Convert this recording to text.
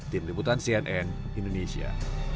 tim limutan cnn indonesia